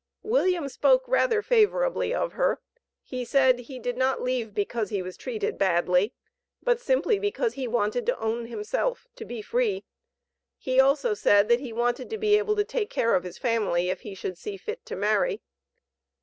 William spoke rather favorably of her. He said he did not leave because he was treated badly, but simply because he wanted to own himself to be free. He also said that he wanted to be able to take care of his family if he should see fit to marry.